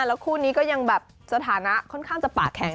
แล้วคู่นี้ก็ยังแบบสถานะค่อนข้างจะปากแข็ง